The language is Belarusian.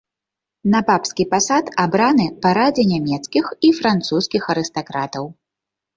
На папскі пасад абраны па радзе нямецкіх і французскіх арыстакратаў.